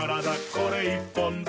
これ１本で」